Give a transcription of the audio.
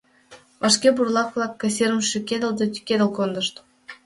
Вашке бурлак-влак кассирым шӱкедыл да тӱкедыл кондышт.